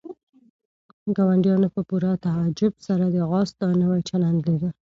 ګاونډیانو په پوره تعجب سره د آس دا نوی چلند لیده.